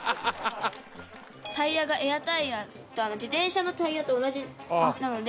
タイヤがエアタイヤ自転車のタイヤと同じなので。